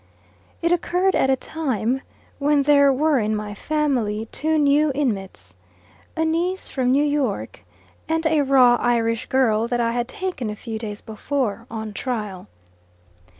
It occurred at a time when there were in my family two new inmates: a niece from New York, and a raw Irish girl that I had taken a few days before, on trial.